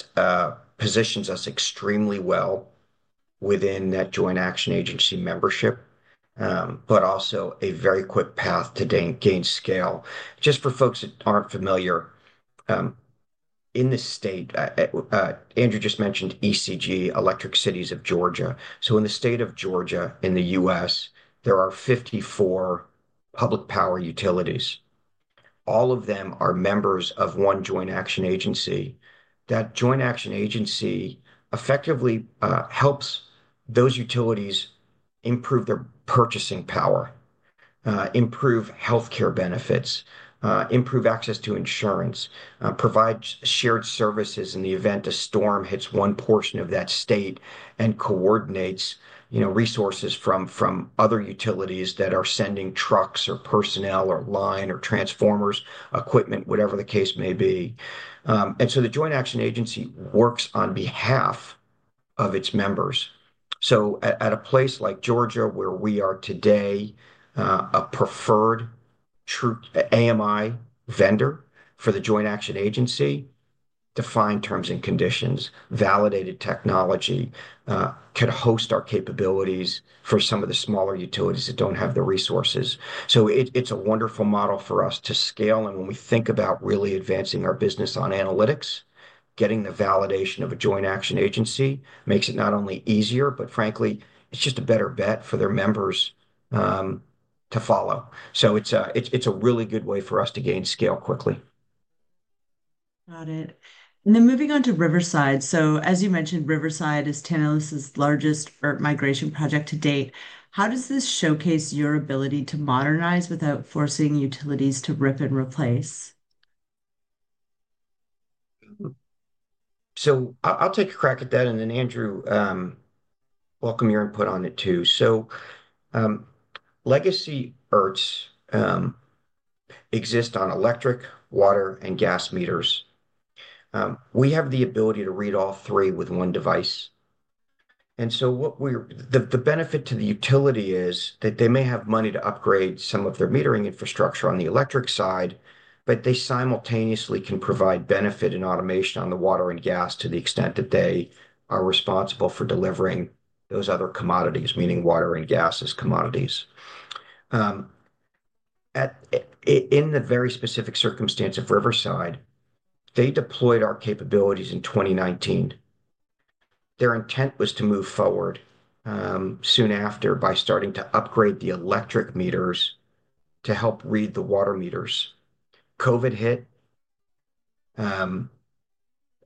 positions us extremely well within that joint action agency membership, but also a very quick path to gain scale. For folks that aren't familiar in this state, Andrew just mentioned ECG, Electric Cities of Georgia. In the state of Georgia in the U.S., there are 54 public power utilities. All of them are members of one joint action agency. That joint action agency effectively helps those utilities improve their purchasing power, improve healthcare benefits, improve access to insurance, provide shared services in the event a storm hits one portion of that state, and coordinates resources from other utilities that are sending trucks or personnel or line or transformers, equipment, whatever the case may be. The joint action agency works on behalf of its members. At a place like Georgia, where we are today, a preferred Tru AMI vendor for the joint action agency to find terms and conditions, validated technology, could host our capabilities for some of the smaller utilities that don't have the resources. It's a wonderful model for us to scale. When we think about really advancing our business on analytics, getting the validation of a joint action agency makes it not only easier, but frankly, it's just a better bet for their members to follow. It's a really good way for us to gain scale quickly. Got it. Moving on to Riverside. As you mentioned, Riverside is Tantalus's largest ERT migration project to date. How does this showcase your ability to modernize without forcing utilities to rip and replace? I'll take a crack at that, and then Andrew, welcome your input on it too. Legacy ERTs exist on electric, water, and gas meters. We have the ability to read all three with one device. The benefit to the utility is that they may have money to upgrade some of their metering infrastructure on the electric side, but they simultaneously can provide benefit and automation on the water and gas to the extent that they are responsible for delivering those other commodities, meaning water and gas as commodities. In the very specific circumstance of Riverside, they deployed our capabilities in 2019. Their intent was to move forward soon after by starting to upgrade the electric meters to help read the water meters. COVID hit,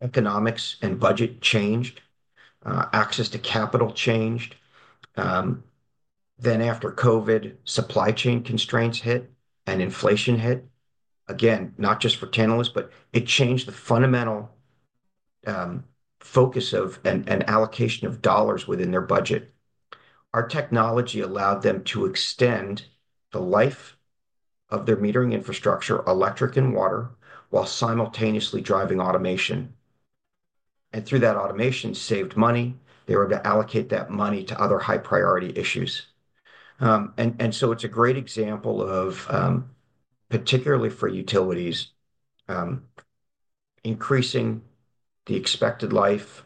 economics and budget changed, access to capital changed. After COVID, supply chain constraints hit and inflation hit. Not just for Tantalus, but it changed the fundamental focus and allocation of dollars within their budget. Our technology allowed them to extend the life of their metering infrastructure, electric and water, while simultaneously driving automation. Through that automation, saved money. They were able to allocate that money to other high-priority issues. It's a great example of, particularly for utilities, increasing the expected life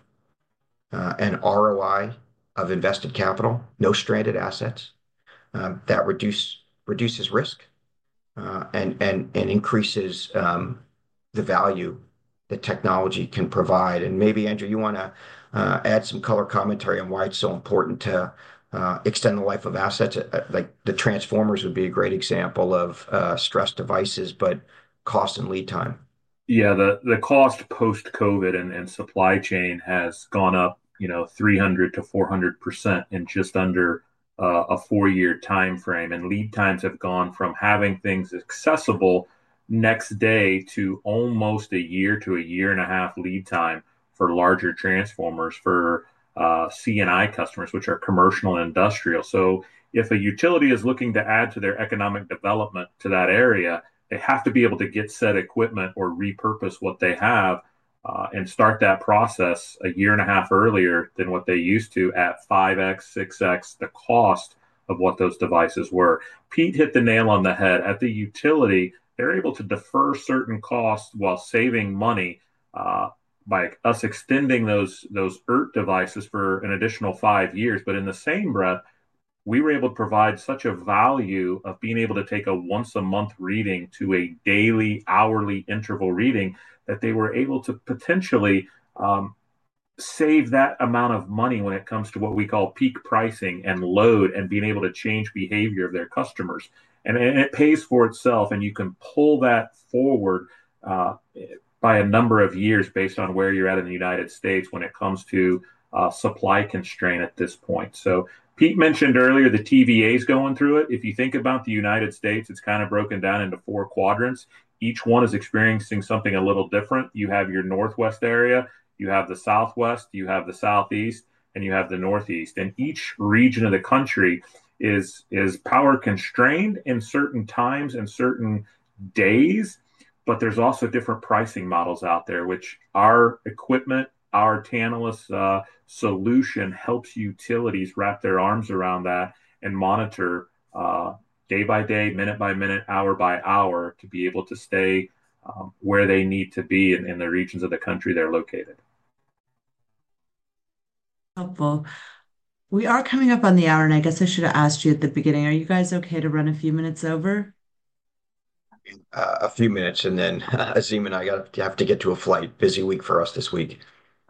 and ROI of invested capital, no stranded assets, that reduces risk and increases the value that technology can provide. Maybe, Andrew, you want to add some color commentary on why it's so important to extend the life of assets. Like the transformers would be a great example of stress devices, but cost and lead time. Yeah, the cost post-COVID and supply chain has gone up 300% to 400% in just under a four-year timeframe. Lead times have gone from having things accessible next day to almost a year to a year and a half lead time for larger transformers for CNI customers, which are commercial and industrial. If a utility is looking to add to their economic development to that area, they have to be able to get said equipment or repurpose what they have and start that process a year and a half earlier than what they used to at 5x, 6x the cost of what those devices were. Pete hit the nail on the head. At the utility, they're able to defer certain costs while saving money by us extending those ERT devices for an additional five years. In the same breath, we were able to provide such a value of being able to take a once-a-month reading to a daily hourly interval reading that they were able to potentially save that amount of money when it comes to what we call peak pricing and load and being able to change behavior of their customers. It pays for itself, and you can pull that forward by a number of years based on where you're at in the United States when it comes to supply constraint at this point. Pete mentioned earlier the TVA is going through it. If you think about the United States, it's kind of broken down into four quadrants. Each one is experiencing something a little different. You have your Northwest area, you have the Southwest, you have the Southeast, and you have the Northeast. Each region of the country is power constrained in certain times and certain days, but there's also different pricing models out there, which our equipment, our Tantalus solution helps utilities wrap their arms around that and monitor day by day, minute by minute, hour by hour to be able to stay where they need to be in the regions of the country they're located. Helpful. We are coming up on the hour, and I guess I should have asked you at the beginning, are you guys okay to run a few minutes over? A few minutes, and then Azim and I have to get to a flight. Busy week for us this week.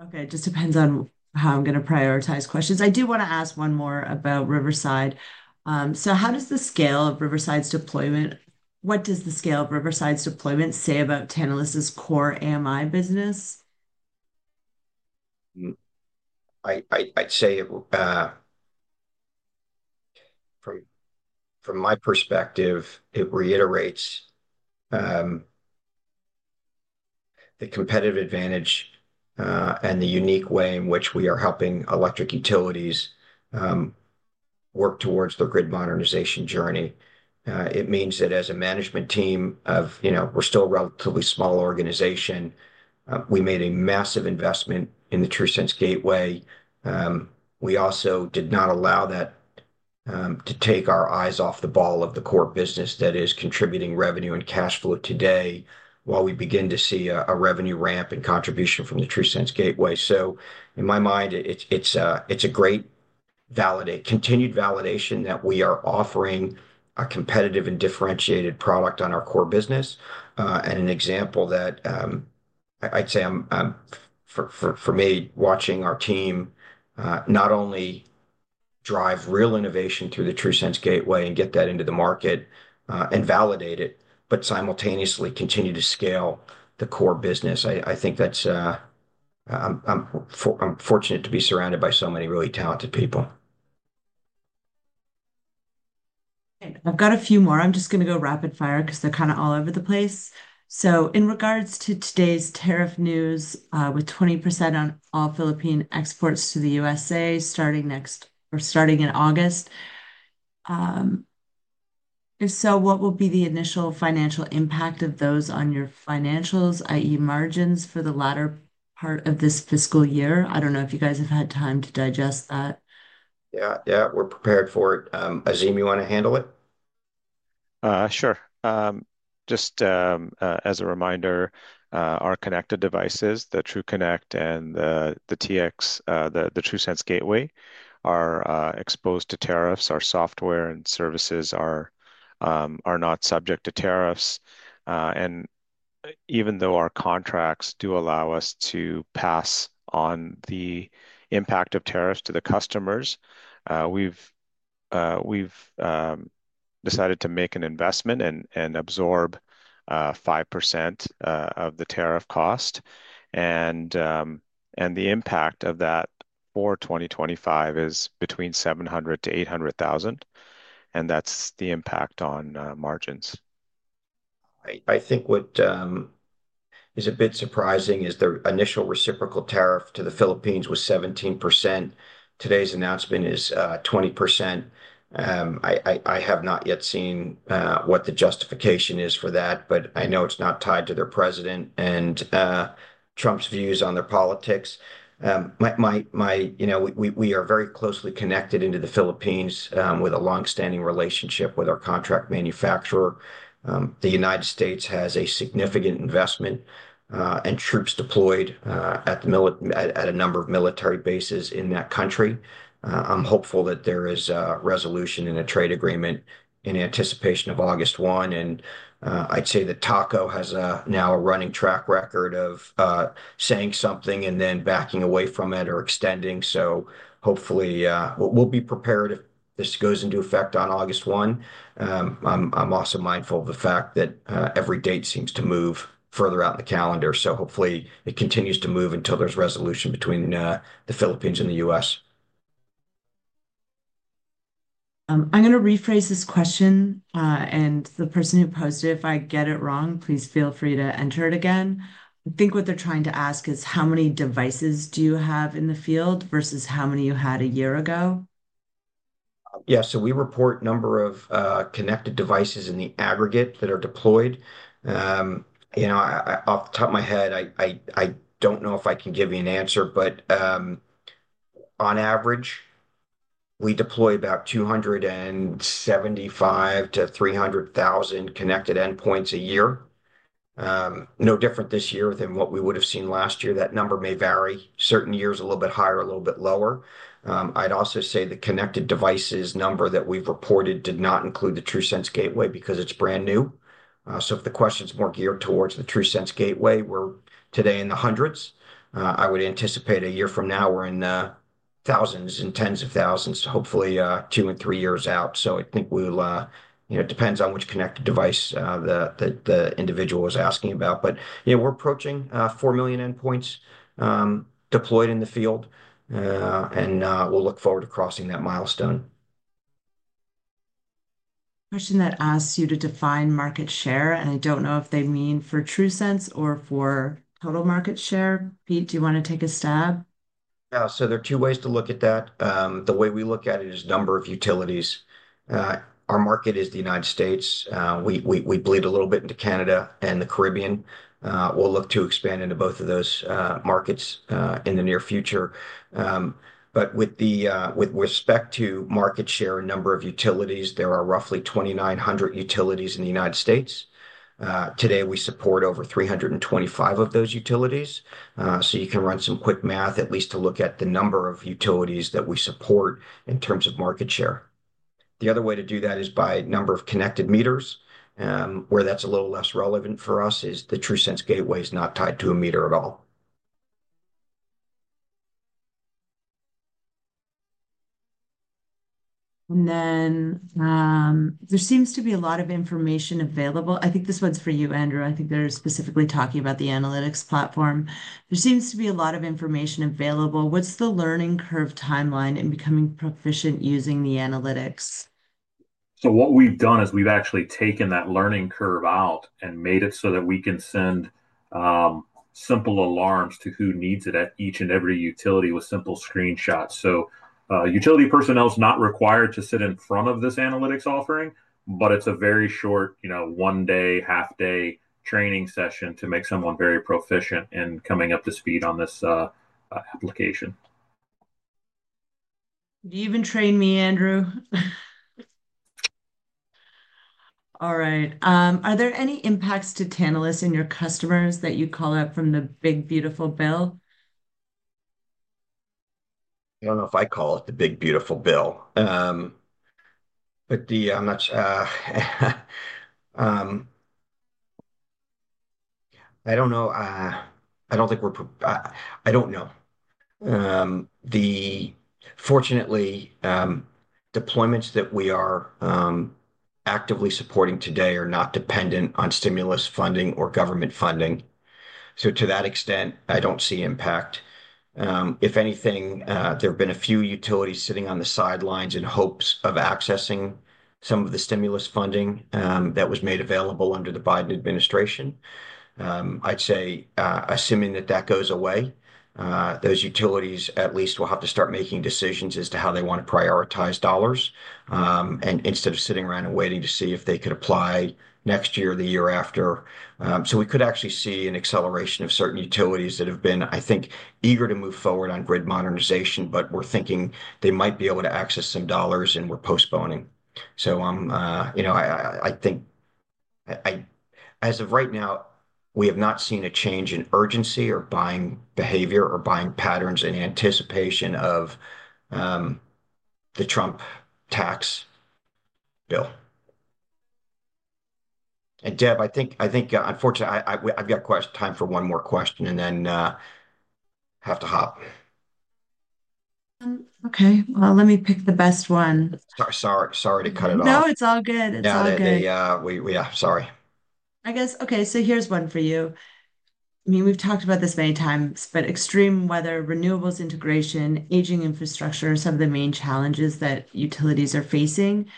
Okay, it just depends on how I'm going to prioritize questions. I do want to ask one more about Riverside. How does the scale of Riverside's deployment, what does the scale of Riverside's deployment say about Tantalus's core AMI business? I'd say from my perspective, it reiterates the competitive advantage and the unique way in which we are helping electric utilities work towards their grid modernization journey. It means that as a management team, we're still a relatively small organization. We made a massive investment in the TruSense Gateway. We also did not allow that to take our eyes off the ball of the core business that is contributing revenue and cash flow today while we begin to see a revenue ramp and contribution from the TruSense Gateway. In my mind, it's a great continued validation that we are offering a competitive and differentiated product on our core business and an example that I'd say for me watching our team not only drive real innovation through the TruSense Gateway and get that into the market and validate it, but simultaneously continue to scale the core business. I think I'm fortunate to be surrounded by so many really talented people. I've got a few more. I'm just going to go rapid fire because they're kind of all over the place. In regards to today's tariff news with 20% on all Philippine exports to the U.S.A. starting in August, if so, what will be the initial financial impact of those on your financials, i.e., margins for the latter part of this fiscal year? I don't know if you guys have had time to digest that. Yeah, we're prepared for it. Azim, you want to handle it? Sure. Just as a reminder, our connected devices, the TruConnect and the TX, the TruSense Gateway, are exposed to tariffs. Our software and services are not subject to tariffs. Even though our contracts do allow us to pass on the impact of tariffs to the customers, we've decided to make an investment and absorb 5% of the tariff cost. The impact of that for 2025 is between $700,000 to $800,000, and that's the impact on margins. I think what is a bit surprising is their initial reciprocal tariff to the Philippines was 17%. Today's announcement is 20%. I have not yet seen what the justification is for that, but I know it's not tied to their president and Trump's views on their politics. We are very closely connected into the Philippines with a longstanding relationship with our contract manufacturer. The United States has a significant investment and troops deployed at a number of military bases in that country. I'm hopeful that there is a resolution in a trade agreement in anticipation of August 1. I'd say that Tantalus has now a running track record of saying something and then backing away from it or extending. Hopefully, we'll be prepared if this goes into effect on August 1. I'm also mindful of the fact that every date seems to move further out in the calendar. Hopefully, it continues to move until there's resolution between the Philippines and the U.S. I'm going to rephrase this question. If I get it wrong, please feel free to enter it again. I think what they're trying to ask is how many devices do you have in the field versus how many you had a year ago? Yeah, we report a number of connected devices in the aggregate that are deployed. Off the top of my head, I don't know if I can give you an answer, but on average, we deploy about 275,000 to 300,000 connected endpoints a year. No different this year than what we would have seen last year. That number may vary. Certain years, a little bit higher, a little bit lower. I'd also say the connected devices number that we've reported did not include the TruSense Gateway because it's brand new. If the question's more geared towards the TruSense Gateway, we're today in the hundreds. I would anticipate a year from now we're in the thousands and tens of thousands, hopefully two and three years out. I think it depends on which connected device the individual is asking about. Yeah, we're approaching 4 million endpoints deployed in the field. We'll look forward to crossing that milestone. Question that asks you to define market share. I don't know if they mean for TruSense or for total market share. Pete, do you want to take a stab? Yeah, there are two ways to look at that. The way we look at it is the number of utilities. Our market is the United States. We bleed a little bit into Canada and the Caribbean. We'll look to expand into both of those markets in the near future. With respect to market share and number of utilities, there are roughly 2,900 utilities in the United States. Today, we support over 325 of those utilities. You can run some quick math, at least to look at the number of utilities that we support in terms of market share. The other way to do that is by number of connected meters. Where that's a little less relevant for us is the TruSense Gateway is not tied to a meter at all. There seems to be a lot of information available. I think this one's for you, Andrew. I think they're specifically talking about the analytics platform. There seems to be a lot of information available. What's the learning curve timeline in becoming proficient using the analytics? What we've done is we've actually taken that learning curve out and made it so that we can send simple alarms to who needs it at each and every utility with simple screenshots. Utility personnel is not required to sit in front of this analytics offering, but it's a very short, you know, one-day, half-day training session to make someone very proficient in coming up to speed on this application. You even trained me, Andrew. All right. Are there any impacts to Tantalus and your customers that you call out from the big, beautiful bill? I don't know if I call it the big, beautiful bill. I don't know. I don't think we're, I don't know. Fortunately, deployments that we are actively supporting today are not dependent on stimulus funding or government funding. To that extent, I don't see impact. If anything, there have been a few utilities sitting on the sidelines in hopes of accessing some of the stimulus funding that was made available under the Biden administration. I'd say assuming that goes away, those utilities at least will have to start making decisions as to how they want to prioritize dollars instead of sitting around and waiting to see if they could apply next year or the year after. We could actually see an acceleration of certain utilities that have been, I think, eager to move forward on grid modernization but were thinking they might be able to access some dollars and were postponing. I think as of right now, we have not seen a change in urgency or buying behavior or buying patterns in anticipation of the Trump tax bill. Deb, I think, unfortunately, I've got time for one more question and then I have to hop. Okay, let me pick the best one. Sorry to cut it off. No, it's all good. It's all good. Sorry. Okay, so here's one for you. I mean, we've talked about this many times, but extreme weather, renewables integration, aging infrastructure are some of the main challenges that utilities are facing.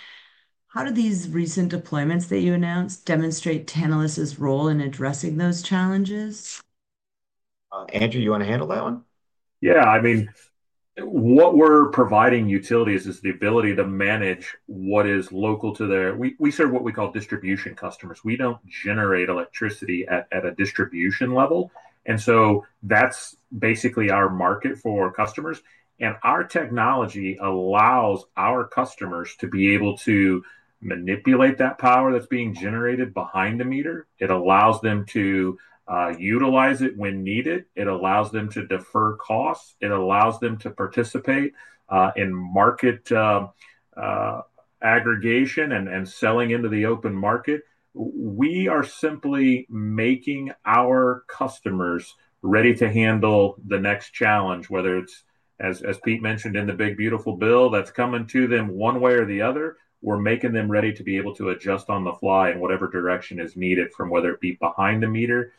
How do these recent deployments that you announced demonstrate Tantalus's role in addressing those challenges? Andrew, you want to handle that one? Yeah, I mean, what we're providing utilities is the ability to manage what is local to their, we serve what we call distribution customers. We don't generate electricity at a distribution level. That's basically our market for customers. Our technology allows our customers to be able to manipulate that power that's being generated behind the meter. It allows them to utilize it when needed. It allows them to defer costs. It allows them to participate in market aggregation and selling into the open market. We are simply making our customers ready to handle the next challenge, whether it's. Pete mentioned in the big, beautiful bill that's coming to them one way or the other, we're making them ready to be able to adjust on the fly in whatever direction is needed, whether it be behind the meter,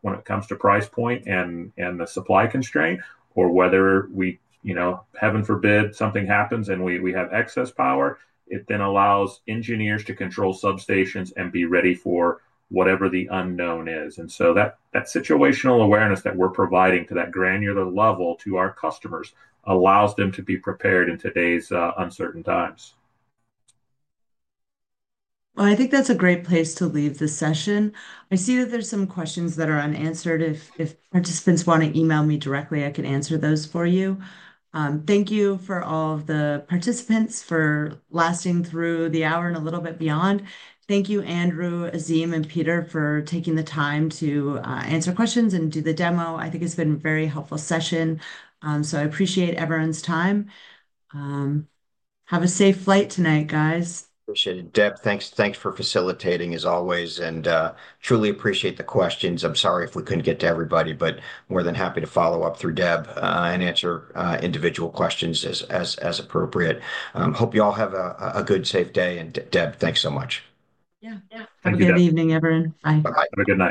when it comes to price point and the supply constraint, or whether, you know, heaven forbid, something happens and we have excess power. It then allows engineers to control substations and be ready for whatever the unknown is. That situational awareness that we're providing to that granular level to our customers allows them to be prepared in today's uncertain times. I think that's a great place to leave the session. I see that there's some questions that are unanswered. If participants want to email me directly, I can answer those for you. Thank you for all of the participants for lasting through the hour and a little bit beyond. Thank you, Andrew, Azim, and Peter for taking the time to answer questions and do the demo. I think it's been a very helpful session. I appreciate everyone's time. Have a safe flight tonight, guys. Appreciate it, Deb. Thanks for facilitating as always, and truly appreciate the questions. I'm sorry if we couldn't get to everybody, but more than happy to follow up through Deb and answer individual questions as appropriate. Hope you all have a good, safe day. Deb, thanks so much. Have a good evening, everyone. Bye. All right. Have a good day.